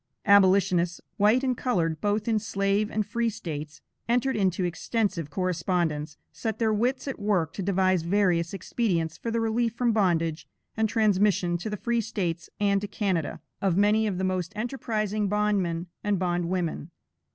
Abolitionists, white and colored, both in slave and free States, entered into extensive correspondence, set their wits at work to devise various expedients for the relief from bondage and transmission to the free States and to Canada, of many of the most enterprising bondmen and bondwomen.